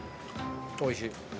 おいしい。